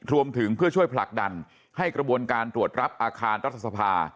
รวมถึงเพื่อช่วยผลักดันให้กระบวนการตรวจรับอาคารรัฐสภา